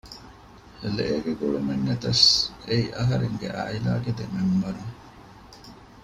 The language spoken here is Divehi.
ލޭގެ ގުޅުމެއްނެތަސް އެއީ އަހަރެންގެ ޢާއިލާގެ ދެ މެމްބަރުން